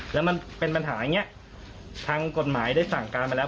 แล้วมันเป็นปัญหาอย่างนี้ทางกฎหมายได้สั่งการไปแล้ว